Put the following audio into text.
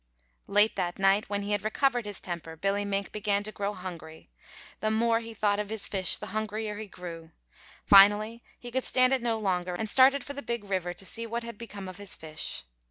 Late that night, when he had recovered his temper, Billy Mink began to grow hungry. The more he thought of his fish the hungrier he grew. Finally he could stand it no longer and started for the Big River to see what had become of his fish.